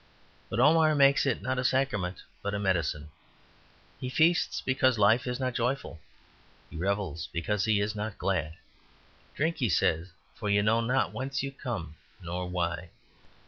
But Omar makes it, not a sacrament, but a medicine. He feasts because life is not joyful; he revels because he is not glad. "Drink," he says, "for you know not whence you come nor why.